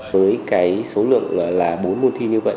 với cái số lượng là bốn môn thi như vậy